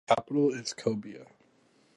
The capital is Koubia.